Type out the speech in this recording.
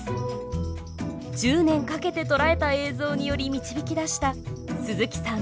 １０年かけて捉えた映像により導き出した鈴木さん